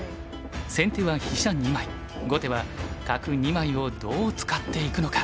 先手は飛車２枚後手は角２枚をどう使っていくのか。